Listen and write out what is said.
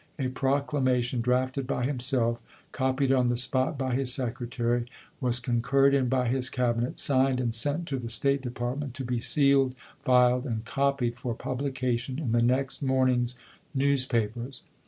A proclamation, drafted by himself, copied on the spot by his secretary, was concurred in by his Cab inet, signed, and sent to the State Department to be sealed, filed, and copied for publication in the next morning's newspapers.